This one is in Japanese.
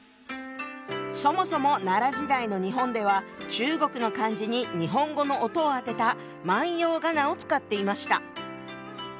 そもそも奈良時代の日本では中国の漢字に日本語の音を当てた万葉仮名を使っていました。